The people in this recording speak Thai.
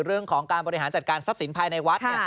เรื่องของการบริหารจัดการทรัพย์สินภายในวัด